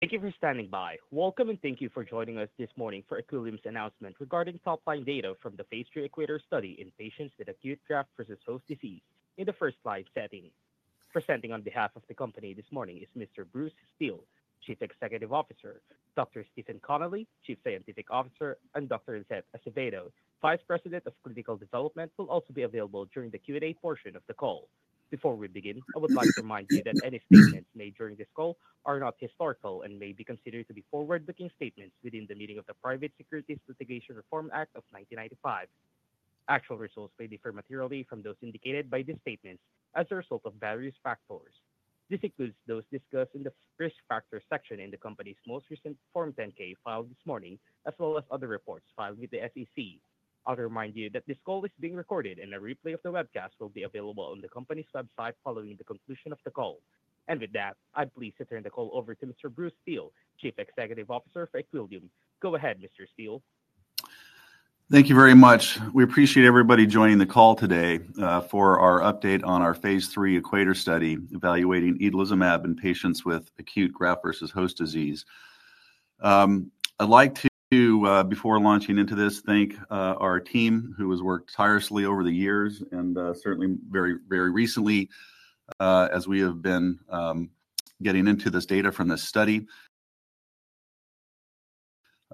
Thank you for standing by. Welcome and thank you for joining us this morning for Equillium's announcement regarding top-line data from the phase III EQUATOR study in patients with acute graft-versus-host disease in the first-line setting. Presenting on behalf of the company this morning is Mr. Bruce Steel, Chief Executive Officer, Dr. Stephen Connelly, Chief Scientific Officer, and Dr. Jose Acevedo, Vice President of Clinical Development, who will also be available during the Q&A portion of the call. Before we begin, I would like to remind you that any statements made during this call are not historical and may be considered to be forward-looking statements within the meaning of the Private Securities Litigation Reform Act of 1995. Actual results may differ materially from those indicated by these statements as a result of various factors. This includes those discussed in the risk factor section in the company's most recent Form 10-K filed this morning, as well as other reports filed with the SEC. I'll remind you that this call is being recorded, and a replay of the webcast will be available on the company's website following the conclusion of the call. With that, I'm pleased to turn the call over to Mr. Bruce Steel, Chief Executive Officer for Equillium. Go ahead, Mr. Steel. Thank you very much. We appreciate everybody joining the call today for our update on our phase III EQUATE study evaluating itolizumab in patients with acute graft-versus-host disease. I'd like to, before launching into this, thank our team who has worked tirelessly over the years and certainly very, very recently as we have been getting into this data from this study.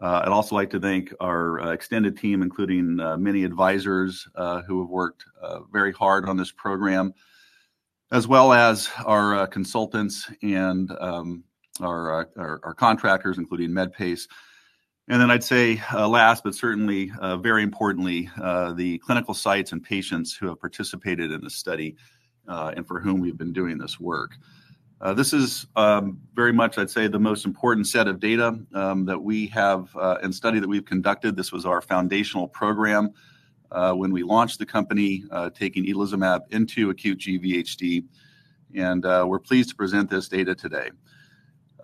I'd also like to thank our extended team, including many advisors who have worked very hard on this program, as well as our consultants and our contractors, including Medpace. I'd say last, but certainly very importantly, the clinical sites and patients who have participated in the study and for whom we've been doing this work. This is very much, I'd say, the most important set of data that we have and study that we've conducted. This was our foundational program when we launched the company, taking itolizumab into acute GVHD, and we're pleased to present this data today.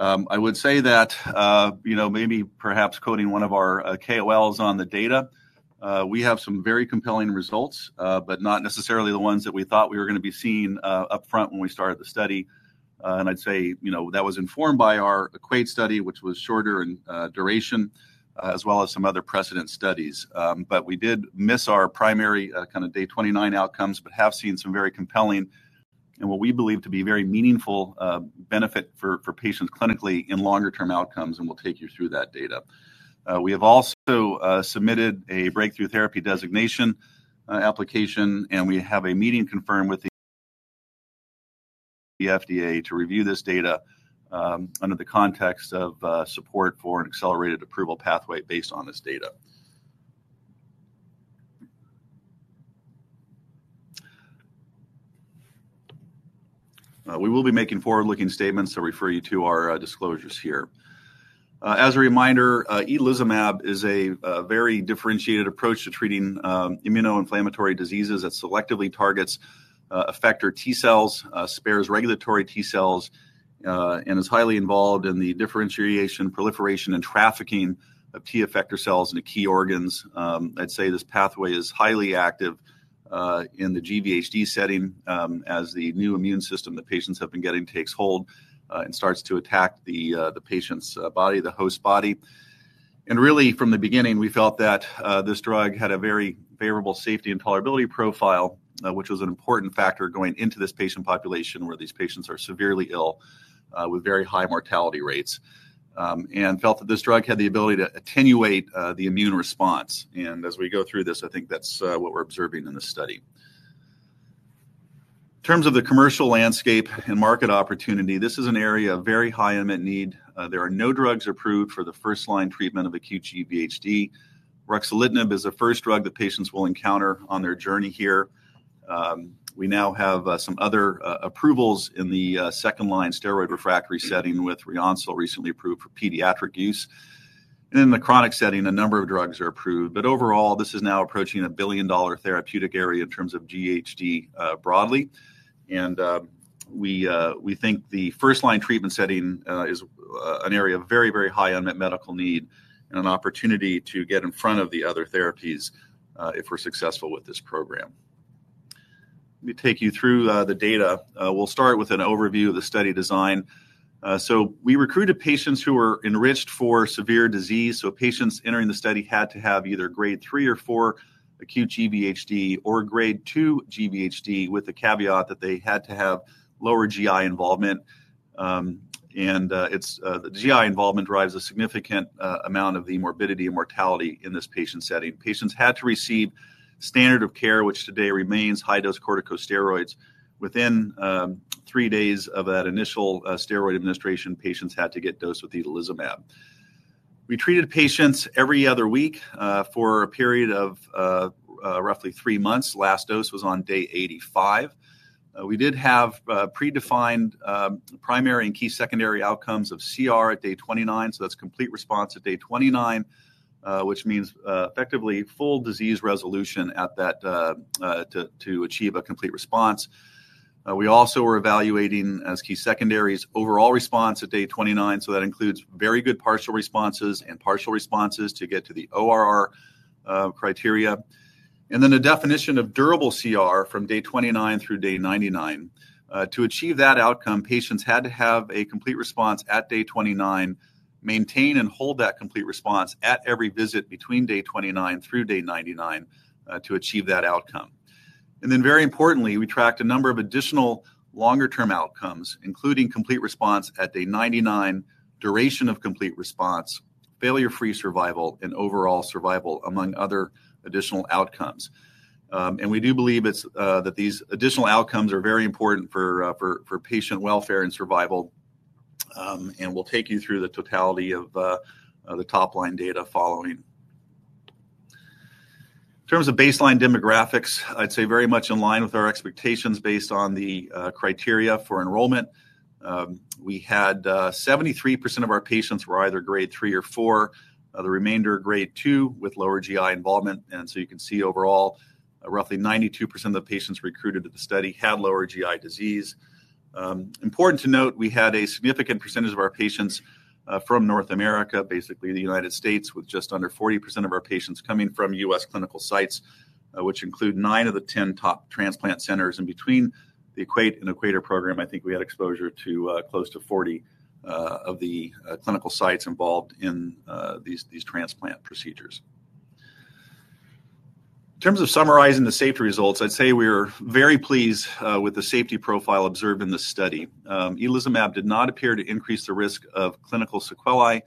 I would say that, you know, maybe perhaps quoting one of our KOLs on the data, we have some very compelling results, but not necessarily the ones that we thought we were going to be seeing upfront when we started the study. I would say, you know, that was informed by our EQUATE study, which was shorter in duration, as well as some other precedent studies. We did miss our primary kind of day 29 outcomes, but have seen some very compelling and what we believe to be very meaningful benefit for patients clinically in longer-term outcomes, and we'll take you through that data. We have also submitted a breakthrough therapy designation application, and we have a meeting confirmed with the FDA to review this data under the context of support for an accelerated approval pathway based on this data. We will be making forward-looking statements, so refer you to our disclosures here. As a reminder, itolizumab is a very differentiated approach to treating immunoinflammatory diseases that selectively targets effector T cells, spares regulatory T cells, and is highly involved in the differentiation, proliferation, and trafficking of T effector cells in the key organs. I'd say this pathway is highly active in the GVHD setting as the new immune system that patients have been getting takes hold and starts to attack the patient's body, the host body. Really, from the beginning, we felt that this drug had a very favorable safety and tolerability profile, which was an important factor going into this patient population where these patients are severely ill with very high mortality rates, and felt that this drug had the ability to attenuate the immune response. As we go through this, I think that's what we're observing in this study. In terms of the commercial landscape and market opportunity, this is an area of very high imminent need. There are no drugs approved for the first-line treatment of acute GVHD. Ruxolitinib is the first drug that patients will encounter on their journey here. We now have some other approvals in the second-line steroid-refractory setting with ruxolitinib recently approved for pediatric use. In the chronic setting, a number of drugs are approved, but overall, this is now approaching a billion-dollar therapeutic area in terms of GVHD broadly. We think the first-line treatment setting is an area of very, very high unmet medical need and an opportunity to get in front of the other therapies if we're successful with this program. Let me take you through the data. We'll start with an overview of the study design. We recruited patients who were enriched for severe disease, so patients entering the study had to have either grade 3 or 4 acute GVHD or grade 2 GVHD with the caveat that they had to have lower GI involvement. The GI involvement drives a significant amount of the morbidity and mortality in this patient setting. Patients had to receive standard of care, which today remains high-dose corticosteroids. Within three days of that initial steroid administration, patients had to get dosed with itolizumab. We treated patients every other week for a period of roughly three months. Last dose was on day 85. We did have predefined primary and key secondary outcomes of CR at day 29, so that's complete response at day 29, which means effectively full disease resolution to achieve a complete response. We also were evaluating as key secondaries overall response at day 29, so that includes very good partial responses and partial responses to get to the ORR criteria. A definition of durable CR from day 29 through day 99 was also used. To achieve that outcome, patients had to have a complete response at day 29, maintain and hold that complete response at every visit between day 29 through day 99 to achieve that outcome. Very importantly, we tracked a number of additional longer-term outcomes, including complete response at day 99, duration of complete response, failure-free survival, and overall survival, among other additional outcomes. We do believe that these additional outcomes are very important for patient welfare and survival, and we'll take you through the totality of the top-line data following. In terms of baseline demographics, I'd say very much in line with our expectations based on the criteria for enrollment. We had 73% of our patients were either grade 3 or 4, the remainder grade 2 with lower GI involvement. You can see overall, roughly 92% of the patients recruited to the study had lower GI disease. Important to note, we had a significant percentage of our patients from North America, basically the United States, with just under 40% of our patients coming from the U.S. Clinical sites, which include 9 of the 10 top transplant centers. Between the EQUATE and EQUATOR program, I think we had exposure to close to 40 of the clinical sites involved in these transplant procedures. In terms of summarizing the safety results, I'd say we are very pleased with the safety profile observed in this study. Itolizumab did not appear to increase the risk of clinical sequelae.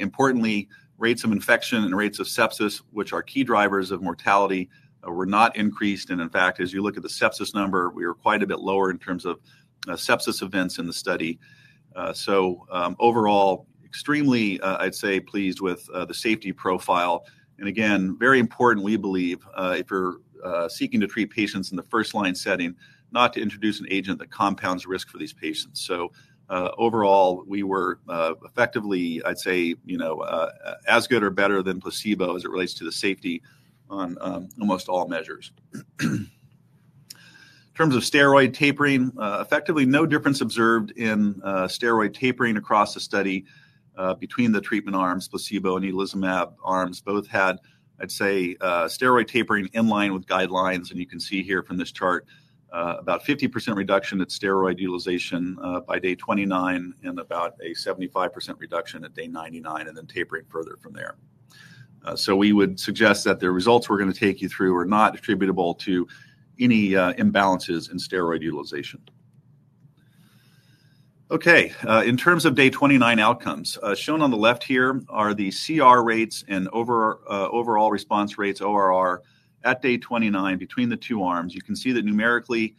Importantly, rates of infection and rates of sepsis, which are key drivers of mortality, were not increased. In fact, as you look at the sepsis number, we were quite a bit lower in terms of sepsis events in the study. Overall, extremely, I'd say, pleased with the safety profile. Again, very important, we believe, if you're seeking to treat patients in the first-line setting, not to introduce an agent that compounds risk for these patients. Overall, we were effectively, I'd say, you know, as good or better than placebo as it relates to the safety on almost all measures. In terms of steroid tapering, effectively no difference observed in steroid tapering across the study between the treatment arms, placebo and itolizumab arms. Both had, I'd say, steroid tapering in line with guidelines. You can see here from this chart about 50% reduction at steroid utilization by day 29 and about a 75% reduction at day 99, and then tapering further from there. We would suggest that the results we're going to take you through are not attributable to any imbalances in steroid utilization. Okay, in terms of day 29 outcomes, shown on the left here are the CR rates and overall response rates, ORR, at day 29 between the two arms. You can see that numerically,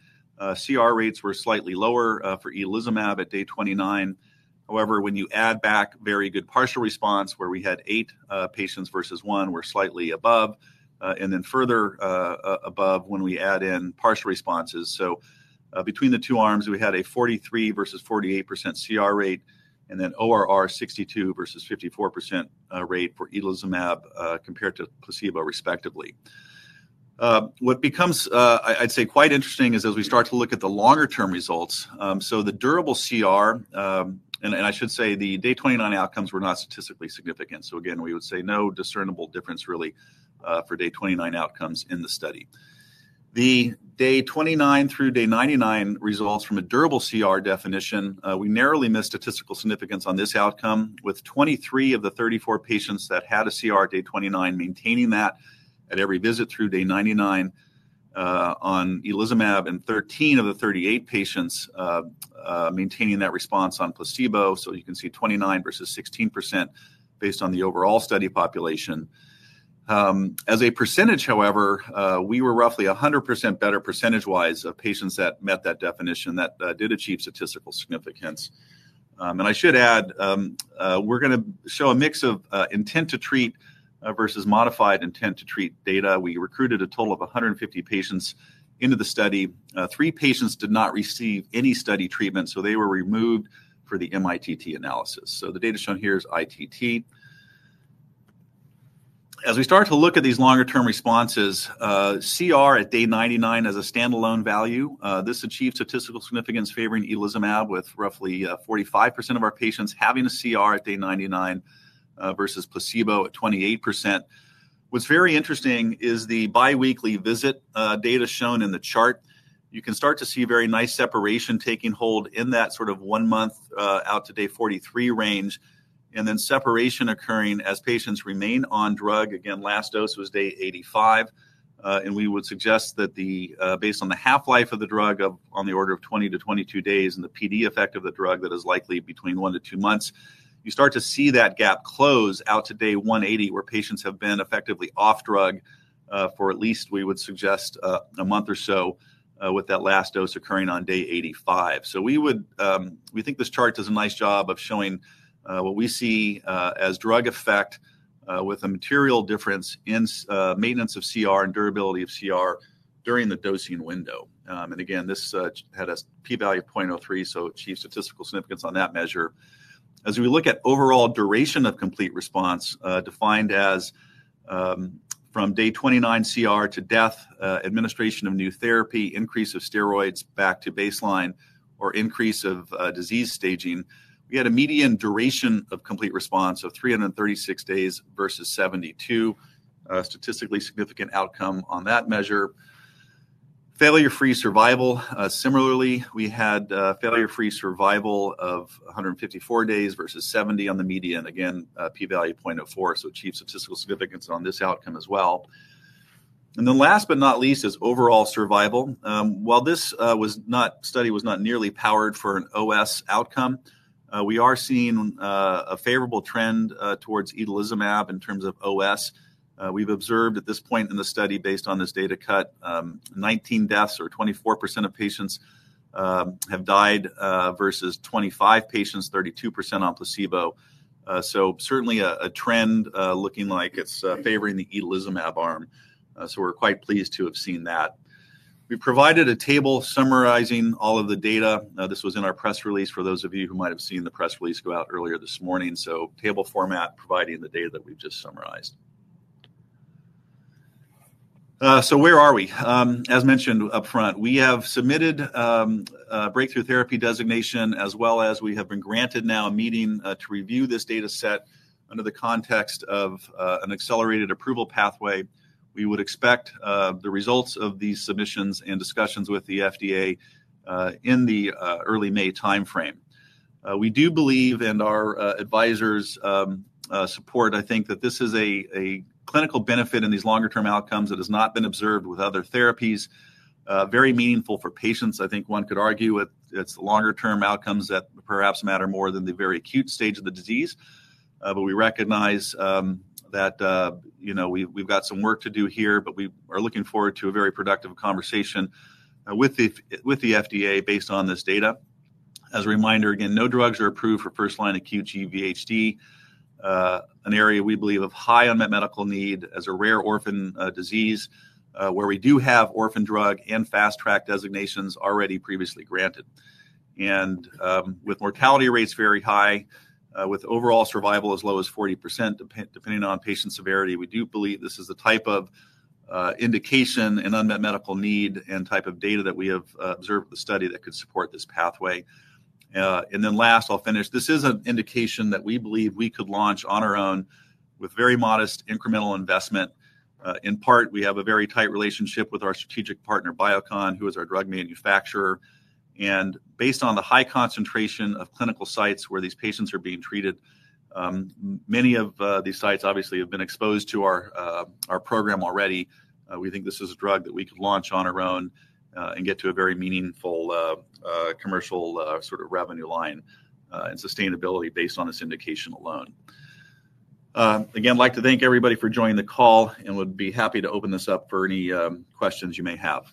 CR rates were slightly lower for itolizumab at day 29. However, when you add back very good partial response, where we had eight patients versus one, we're slightly above, and then further above when we add in partial responses. So between the two arms, we had a 43% versus 48% CR rate, and then ORR 62% versus 54% rate for itolizumab compared to placebo, respectively. What becomes, I'd say, quite interesting is as we start to look at the longer-term results, so the durable CR, and I should say the day 29 outcomes were not statistically significant. Again, we would say no discernible difference really for day 29 outcomes in the study. The day 29 through day 99 results from a durable CR definition, we narrowly missed statistical significance on this outcome with 23 of the 34 patients that had a CR day 29 maintaining that at every visit through day 99 on itolizumab, and 13 of the 38 patients maintaining that response on placebo. You can see 29% versus 16% based on the overall study population. As a percentage, however, we were roughly 100% better percentage-wise of patients that met that definition that did achieve statistical significance. I should add, we're going to show a mix of intent to treat versus modified intent to treat data. We recruited a total of 150 patients into the study. Three patients did not receive any study treatment, so they were removed for the MITT analysis. The data shown here is ITT. As we start to look at these longer-term responses, CR at day 99 as a standalone value, this achieved statistical significance favoring itolizumab with roughly 45% of our patients having a CR at day 99 versus placebo at 28%. What's very interesting is the biweekly visit data shown in the chart. You can start to see very nice separation taking hold in that sort of one month out to day 43 range, and then separation occurring as patients remain on drug. Again, last dose was day 85, and we would suggest that based on the half-life of the drug of on the order of 20-22 days and the PD effect of the drug that is likely between one to two months, you start to see that gap close out to day 180 where patients have been effectively off drug for at least, we would suggest, a month or so with that last dose occurring on day 85. We think this chart does a nice job of showing what we see as drug effect with a material difference in maintenance of CR and durability of CR during the dosing window. Again, this had a p-value of 0.03, so it achieved statistical significance on that measure. As we look at overall duration of complete response, defined as from day 29 CR to death, administration of new therapy, increase of steroids back to baseline, or increase of disease staging, we had a median duration of complete response of 336 days versus 72, statistically significant outcome on that measure. Failure-free survival, similarly, we had failure-free survival of 154 days versus 70 on the median, again, p-value 0.04, so achieved statistical significance on this outcome as well. Last but not least is overall survival. While this study was not nearly powered for an OS outcome, we are seeing a favorable trend towards itolizumab in terms of OS. We've observed at this point in the study, based on this data cut, 19 deaths or 24% of patients have died versus 25 patients, 32% on placebo. Certainly a trend looking like it's favoring the itolizumab arm. We're quite pleased to have seen that. We provided a table summarizing all of the data. This was in our press release for those of you who might have seen the press release go out earlier this morning. Table format providing the data that we've just summarized. Where are we? As mentioned upfront, we have submitted a breakthrough therapy designation, as well as we have been granted now a meeting to review this data set under the context of an accelerated approval pathway. We would expect the results of these submissions and discussions with the FDA in the early May timeframe. We do believe, and our advisors support, I think that this is a clinical benefit in these longer-term outcomes that has not been observed with other therapies, very meaningful for patients. I think one could argue it's the longer-term outcomes that perhaps matter more than the very acute stage of the disease. We recognize that, you know, we've got some work to do here, but we are looking forward to a very productive conversation with the FDA based on this data. As a reminder, again, no drugs are approved for first-line acute GVHD, an area we believe of high unmet medical need as a rare orphan disease where we do have orphan drug and fast-track designations already previously granted. With mortality rates very high, with overall survival as low as 40% depending on patient severity, we do believe this is the type of indication and unmet medical need and type of data that we have observed with the study that could support this pathway. Last, I'll finish. This is an indication that we believe we could launch on our own with very modest incremental investment. In part, we have a very tight relationship with our strategic partner, Biocon, who is our drug manufacturer. Based on the high concentration of clinical sites where these patients are being treated, many of these sites obviously have been exposed to our program already. We think this is a drug that we could launch on our own and get to a very meaningful commercial sort of revenue line and sustainability based on this indication alone. Again, I'd like to thank everybody for joining the call and would be happy to open this up for any questions you may have.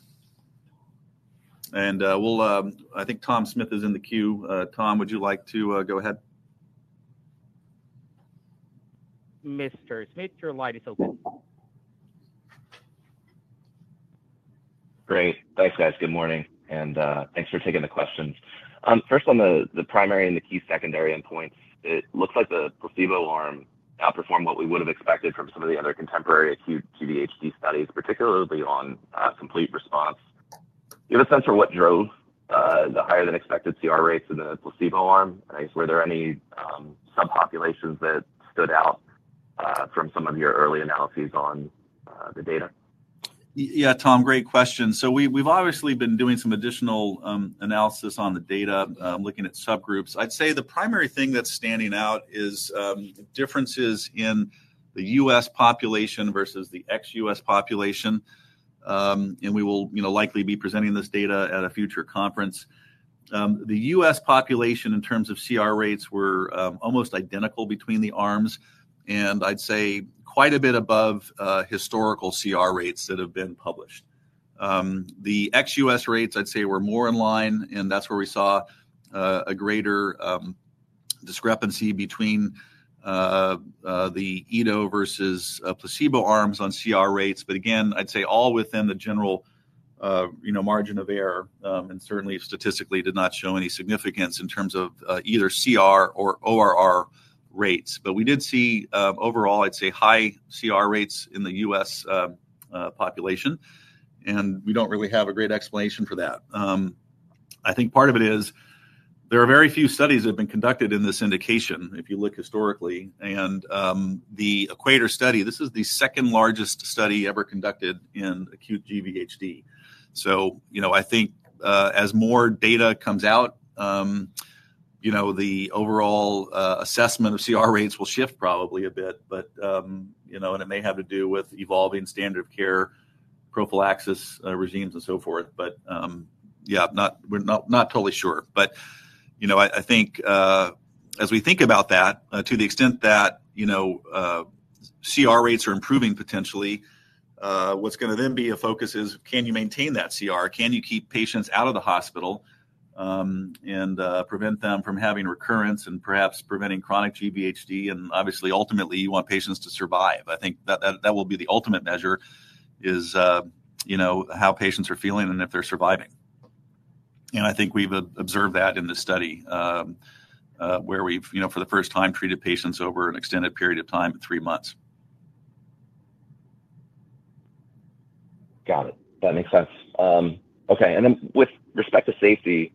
I think Tom Smith is in the queue. Tom, would you like to go ahead? Mr. Smith, your line is open. Great. Thanks, guys. Good morning. Thanks for taking the questions. First, on the primary and the key secondary endpoints, it looks like the placebo arm outperformed what we would have expected from some of the other contemporary acute GVHD studies, particularly on complete response. Do you have a sense for what drove the higher-than-expected CR rates in the placebo arm? I guess, were there any subpopulations that stood out from some of your early analyses on the data? Yeah, Tom, great question. We've obviously been doing some additional analysis on the data, looking at subgroups. I'd say the primary thing that's standing out is differences in the U.S. population versus the ex-U.S. population. We will likely be presenting this data at a future conference. The U.S. population in terms of CR rates were almost identical between the arms, and I'd say quite a bit above historical CR rates that have been published. The ex-U.S. rates, I'd say, were more in line, and that's where we saw a greater discrepancy between the ito versus placebo arms on CR rates. Again, I'd say all within the general margin of error, and certainly statistically did not show any significance in terms of either CR or ORR rates. We did see overall, I'd say, high CR rates in the U.S. Population, and we don't really have a great explanation for that. I think part of it is there are very few studies that have been conducted in this indication if you look historically. And the EQUATE study, this is the second largest study ever conducted in acute GVHD. You know, I think as more data comes out, you know, the overall assessment of CR rates will shift probably a bit, but, you know, and it may have to do with evolving standard of care, prophylaxis regimes, and so forth. Yeah, we're not totally sure. You know, I think as we think about that, to the extent that, you know, CR rates are improving potentially, what's going to then be a focus is, can you maintain that CR? Can you keep patients out of the hospital and prevent them from having recurrence and perhaps preventing chronic GVHD? Obviously, ultimately, you want patients to survive. I think that will be the ultimate measure is, you know, how patients are feeling and if they're surviving. I think we've observed that in this study where we've, you know, for the first time treated patients over an extended period of time, three months. Got it. That makes sense. Okay. With respect to safety,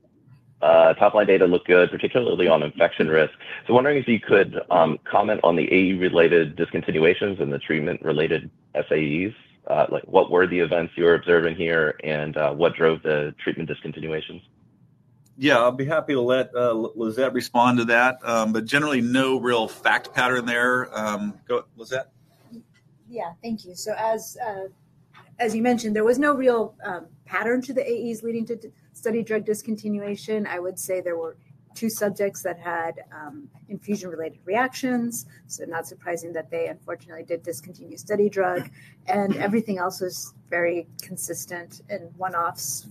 top-line data look good, particularly on infection risk. I am wondering if you could comment on the AE-related discontinuations and the treatment-related SAEs. Like, what were the events you were observing here, and what drove the treatment discontinuations? Yeah, I'll be happy to let Liset respond to that. Generally, no real fact pattern there. Liset? Yeah, thank you. As you mentioned, there was no real pattern to the AEs leading to study drug discontinuation. I would say there were two subjects that had infusion-related reactions, so not surprising that they unfortunately did discontinue study drug. Everything else is very consistent and one-offs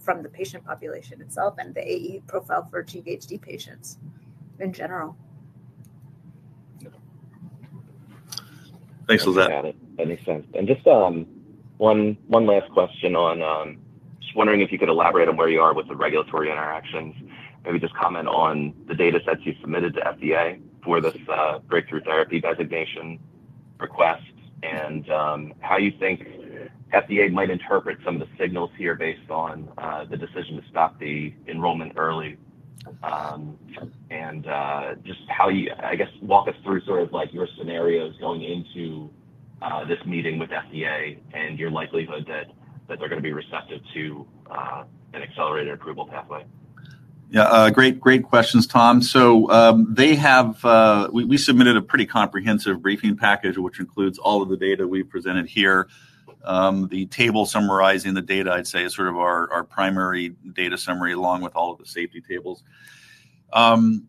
from the patient population itself and the AE profile for GVHD patients in general. Thanks, Liset. That makes sense. Just one last question on just wondering if you could elaborate on where you are with the regulatory interactions. Maybe just comment on the data sets you submitted to FDA for this breakthrough therapy designation request and how you think FDA might interpret some of the signals here based on the decision to stop the enrollment early. Just how you, I guess, walk us through sort of like your scenarios going into this meeting with FDA and your likelihood that they're going to be receptive to an accelerated approval pathway. Yeah, great questions, Tom. We submitted a pretty comprehensive briefing package, which includes all of the data we've presented here. The table summarizing the data, I'd say, is sort of our primary data summary along with all of the safety tables. You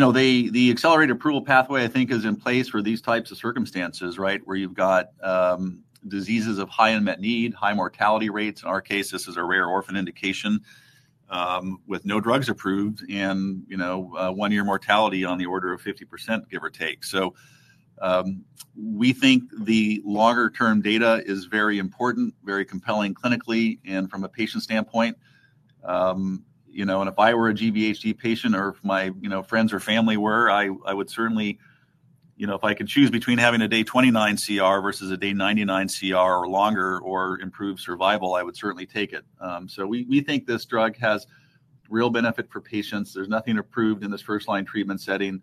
know, the accelerated approval pathway, I think, is in place for these types of circumstances, right, where you've got diseases of high unmet need, high mortality rates. In our case, this is a rare orphan indication with no drugs approved and, you know, one-year mortality on the order of 50%, give or take. We think the longer-term data is very important, very compelling clinically, and from a patient standpoint. You know, and if I were a GVHD patient or if my friends or family were, I would certainly, you know, if I could choose between having a day 29 CR versus a day 99 CR or longer or improved survival, I would certainly take it. We think this drug has real benefit for patients. There's nothing approved in this first-line treatment setting.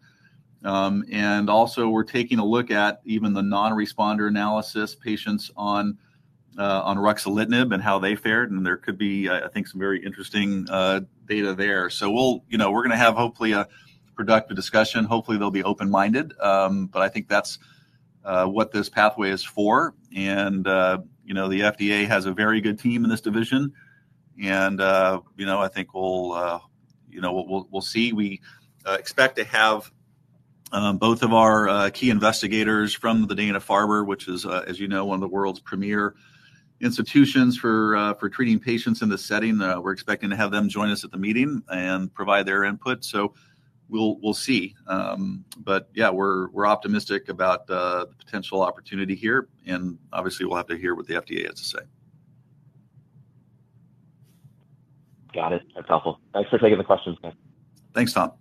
Also, we're taking a look at even the non-responder analysis patients on ruxolitinib and how they fared. There could be, I think, some very interesting data there. We're going to have hopefully a productive discussion. Hopefully, they'll be open-minded. I think that's what this pathway is for. You know, the FDA has a very good team in this division. You know, I think we'll see. We expect to have both of our key investigators from Dana-Farber, which is, as you know, one of the world's premier institutions for treating patients in this setting. We're expecting to have them join us at the meeting and provide their input. We'll see. Yeah, we're optimistic about the potential opportunity here. Obviously, we'll have to hear what the FDA has to say. Got it. That's helpful. Thanks for taking the questions, guys. Thanks, Tom.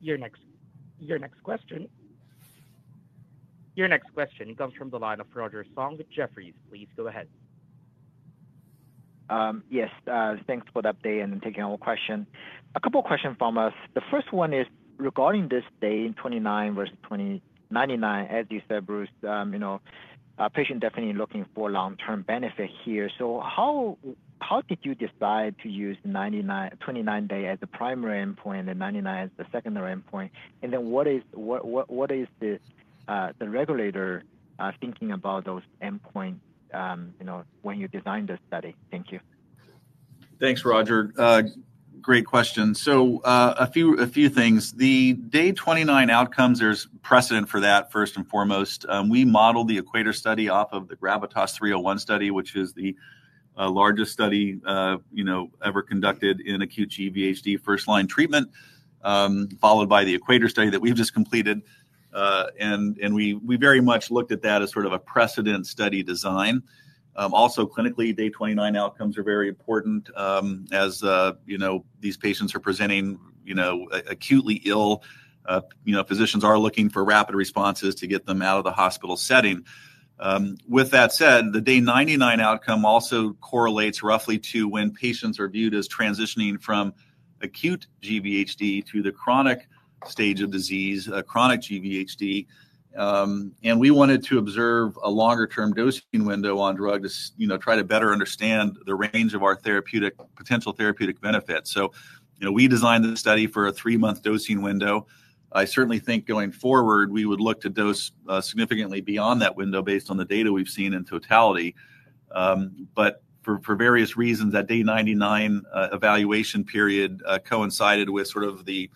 Your next question. Your next question comes from the line of Roger Song with Jefferies. Please go ahead. Yes, thanks for the update and taking our question. A couple of questions from us. The first one is regarding this day 29 versus 99, as you said, Bruce, you know, a patient definitely looking for long-term benefit here. How did you decide to use 29 day as a primary endpoint and 99 as a secondary endpoint? What is the regulator thinking about those endpoints, you know, when you designed this study? Thank you. Thanks, Roger. Great question. A few things. The day 29 outcomes, there's precedent for that, first and foremost. We modeled the EQUATE study off of the GRAVITAS-301 study, which is the largest study, you know, ever conducted in acute GVHD first-line treatment, followed by the EQUATE study that we've just completed. We very much looked at that as sort of a precedent study design. Also, clinically, day 29 outcomes are very important as, you know, these patients are presenting, you know, acutely ill. You know, physicians are looking for rapid responses to get them out of the hospital setting. With that said, the day 99 outcome also correlates roughly to when patients are viewed as transitioning from acute GVHD to the chronic stage of disease, chronic GVHD. We wanted to observe a longer-term dosing window on drug to, you know, try to better understand the range of our potential therapeutic benefits. You know, we designed the study for a three-month dosing window. I certainly think going forward, we would look to dose significantly beyond that window based on the data we've seen in totality. For various reasons, that day 99 evaluation period coincided with sort of the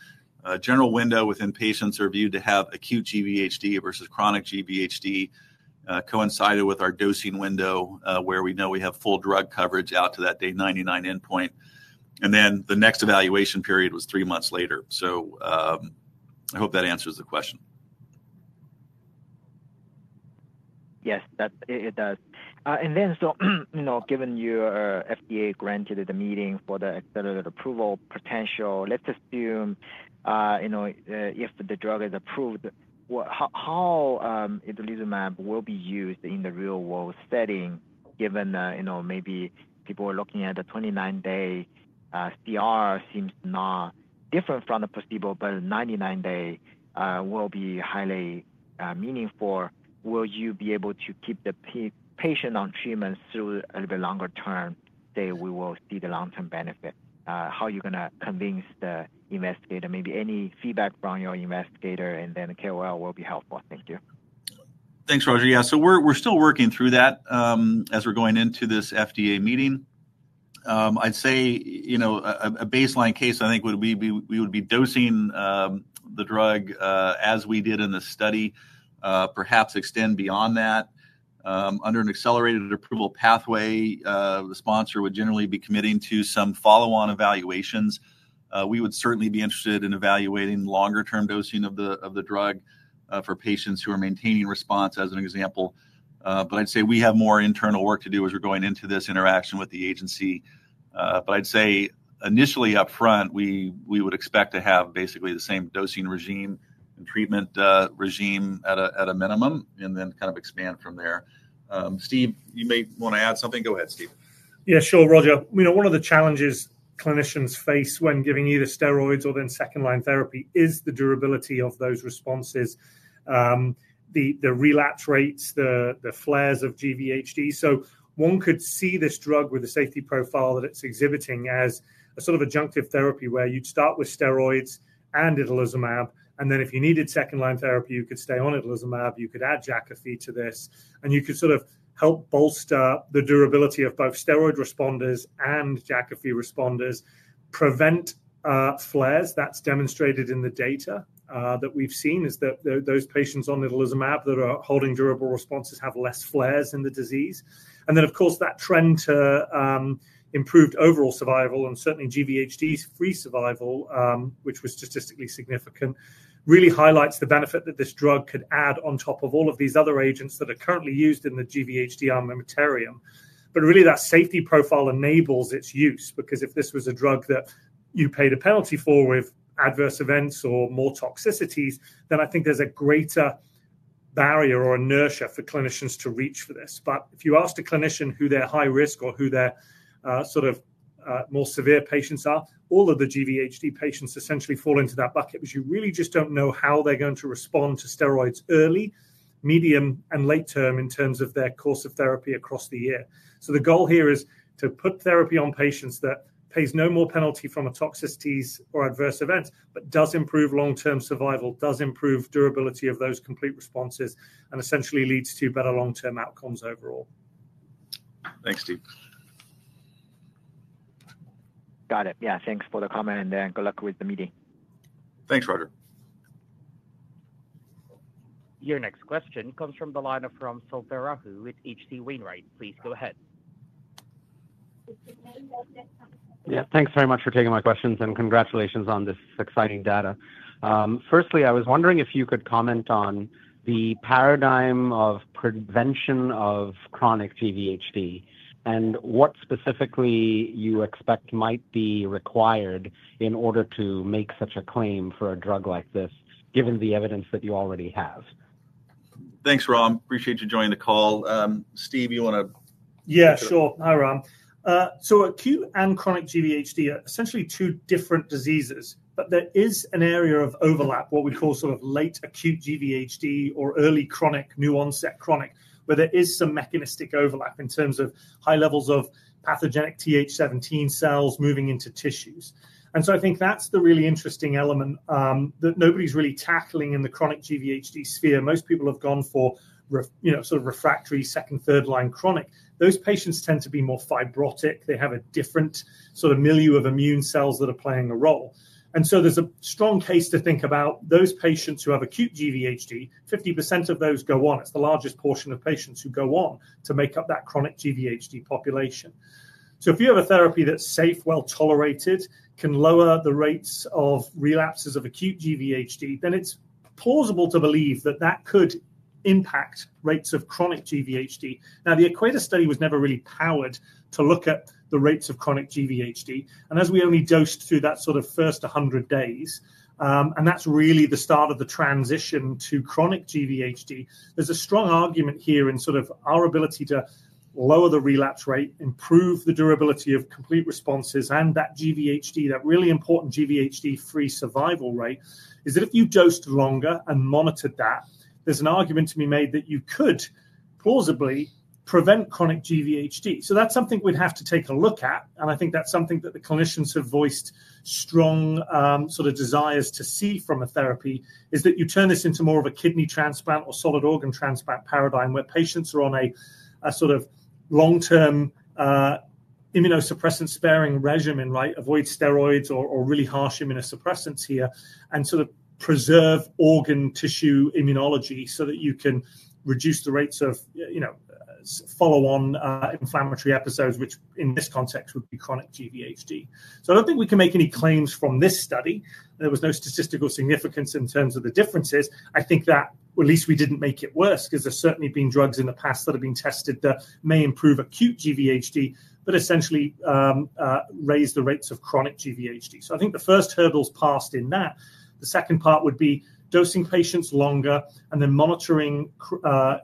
general window within patients who are viewed to have acute GVHD versus chronic GVHD, coincided with our dosing window where we know we have full drug coverage out to that day 99 endpoint. The next evaluation period was three months later. I hope that answers the question. Yes, it does. And then, so, you know, given your FDA granted the meeting for the accelerated approval potential, let's assume, you know, if the drug is approved, how is itolizumab will be used in the real-world setting given, you know, maybe people are looking at a 29-day CR seems not different from the placebo, but a 99-day will be highly meaningful. Will you be able to keep the patient on treatment through a little bit longer term? Say we will see the long-term benefit. How are you going to convince the investigator? Maybe any feedback from your investigator and then KOL will be helpful. Thank you. Thanks, Roger. Yeah, so we're still working through that as we're going into this FDA meeting. I'd say, you know, a baseline case, I think, would be we would be dosing the drug as we did in the study, perhaps extend beyond that. Under an accelerated approval pathway, the sponsor would generally be committing to some follow-on evaluations. We would certainly be interested in evaluating longer-term dosing of the drug for patients who are maintaining response, as an example. I'd say we have more internal work to do as we're going into this interaction with the agency. I'd say initially upfront, we would expect to have basically the same dosing regime and treatment regime at a minimum and then kind of expand from there. Steve, you may want to add something. Go ahead, Steve. Yeah, sure, Roger. You know, one of the challenges clinicians face when giving either steroids or then second-line therapy is the durability of those responses, the relapse rates, the flares of GVHD. One could see this drug with the safety profile that it's exhibiting as a sort of adjunctive therapy where you'd start with steroids and itolizumab, and then if you needed second-line therapy, you could stay on itolizumab, you could add Jakafi to this, and you could sort of help bolster the durability of both steroid responders and Jakafi responders, prevent flares. That's demonstrated in the data that we've seen is that those patients on itolizumab that are holding durable responses have less flares in the disease. That trend to improved overall survival and certainly GVHD-free survival, which was statistically significant, really highlights the benefit that this drug could add on top of all of these other agents that are currently used in the GVHD armamentarium. Really, that safety profile enables its use because if this was a drug that you paid a penalty for with adverse events or more toxicities, then I think there's a greater barrier or inertia for clinicians to reach for this. If you asked a clinician who their high risk or who their sort of more severe patients are, all of the GVHD patients essentially fall into that bucket because you really just don't know how they're going to respond to steroids early, medium, and late term in terms of their course of therapy across the year. The goal here is to put therapy on patients that pays no more penalty from toxicities or adverse events, but does improve long-term survival, does improve durability of those complete responses, and essentially leads to better long-term outcomes overall. Thanks, Steve. Got it. Yeah, thanks for the comment. Good luck with the meeting. Thanks, Roger. Your next question comes from the line of Ram Selvaraju with H.C. Wainwright. Please go ahead. Yeah, thanks very much for taking my questions and congratulations on this exciting data. Firstly, I was wondering if you could comment on the paradigm of prevention of chronic GVHD and what specifically you expect might be required in order to make such a claim for a drug like this given the evidence that you already have. Thanks, Ram. Appreciate you joining the call. Steve, you want to. Yeah, sure. Hi, Ram. Acute and chronic GVHD are essentially two different diseases, but there is an area of overlap, what we call sort of late acute GVHD or early chronic, new-onset chronic, where there is some mechanistic overlap in terms of high levels of pathogenic TH17 cells moving into tissues. I think that's the really interesting element that nobody's really tackling in the chronic GVHD sphere. Most people have gone for, you know, sort of refractory second, third-line chronic. Those patients tend to be more fibrotic. They have a different sort of milieu of immune cells that are playing a role. There is a strong case to think about those patients who have acute GVHD. 50% of those go on. It's the largest portion of patients who go on to make up that chronic GVHD population. If you have a therapy that's safe, well-tolerated, can lower the rates of relapses of acute GVHD, then it's plausible to believe that that could impact rates of chronic GVHD. Now, the equator study was never really powered to look at the rates of chronic GVHD. As we only dosed through that sort of first 100 days, and that's really the start of the transition to chronic GVHD, there's a strong argument here in sort of our ability to lower the relapse rate, improve the durability of complete responses, and that GVHD, that really important GVHD-free survival rate, is that if you dosed longer and monitored that, there's an argument to be made that you could plausibly prevent chronic GVHD. That's something we'd have to take a look at. I think that's something that the clinicians have voiced strong sort of desires to see from a therapy is that you turn this into more of a kidney transplant or solid organ transplant paradigm where patients are on a sort of long-term immunosuppressant-sparing regimen, right, avoid steroids or really harsh immunosuppressants here, and sort of preserve organ tissue immunology so that you can reduce the rates of, you know, follow-on inflammatory episodes, which in this context would be chronic GVHD. I don't think we can make any claims from this study. There was no statistical significance in terms of the differences. I think that at least we didn't make it worse because there's certainly been drugs in the past that have been tested that may improve acute GVHD, but essentially raise the rates of chronic GVHD. I think the first hurdle's passed in that. The second part would be dosing patients longer and then monitoring,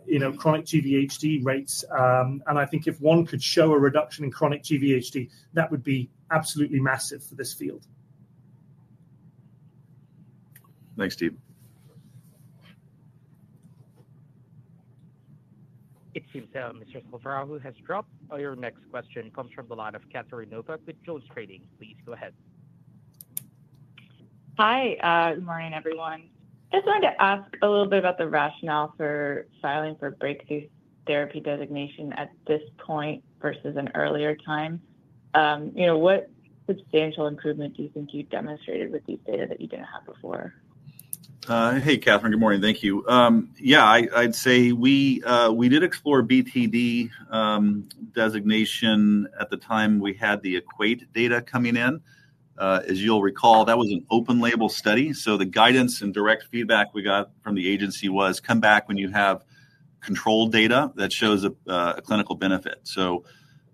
you know, chronic GVHD rates. I think if one could show a reduction in chronic GVHD, that would be absolutely massive for this field. Thanks, Steve. It seems Mr. Selvaraju has dropped. Your next question comes from the line of Catherine Novack with JonesTrading. Please go ahead. Hi. Good morning, everyone. Just wanted to ask a little bit about the rationale for filing for breakthrough therapy designation at this point versus an earlier time. You know, what substantial improvement do you think you demonstrated with these data that you didn't have before? Hey, Catherine, good morning. Thank you. Yeah, I'd say we did explore BTD designation at the time we had the Equate data coming in. As you'll recall, that was an open-label study. The guidance and direct feedback we got from the agency was, "Come back when you have controlled data that shows a clinical benefit."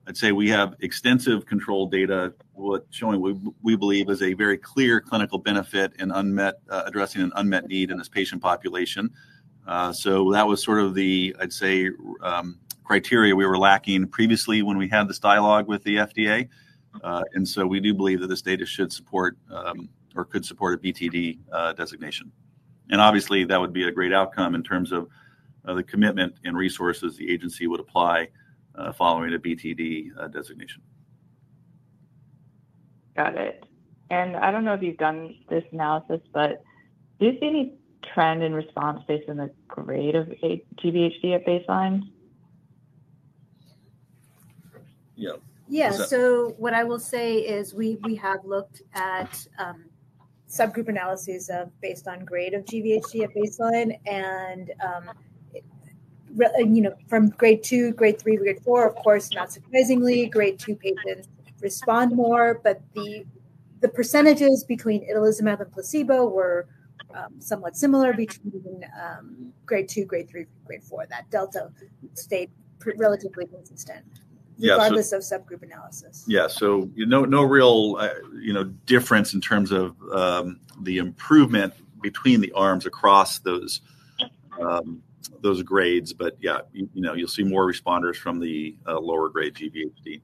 I'd say we have extensive controlled data showing what we believe is a very clear clinical benefit in addressing an unmet need in this patient population. That was sort of the, I'd say, criteria we were lacking previously when we had this dialogue with the FDA. We do believe that this data should support or could support a BTD designation. Obviously, that would be a great outcome in terms of the commitment and resources the agency would apply following a BTD designation. Got it. I don't know if you've done this analysis, but do you see any trend in response based on the grade of GVHD at baseline? Yeah. Yeah. What I will say is we have looked at subgroup analyses based on grade of GVHD at baseline. You know, from grade two, grade three, grade four, of course, not surprisingly, grade two patients respond more, but the percentages between itolizumab and placebo were somewhat similar between grade two, grade three, grade four. That delta stayed relatively consistent regardless of subgroup analysis. Yeah. No real, you know, difference in terms of the improvement between the arms across those grades. Yeah, you know, you'll see more responders from the lower grade GVHD.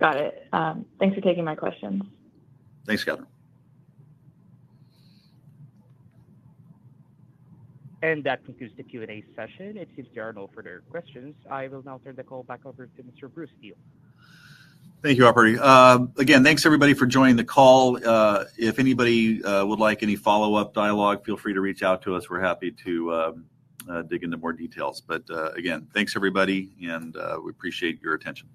Got it. Thanks for taking my questions. Thanks, Catherine. That concludes the Q&A session. It's your turn to offer their questions. I will now turn the call back over to Mr. Bruce Steel. Thank you, Aubrey. Again, thanks everybody for joining the call. If anybody would like any follow-up dialogue, feel free to reach out to us. We are happy to dig into more details. Again, thanks everybody, and we appreciate your attention.